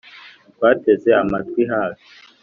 twateze amatwi hafi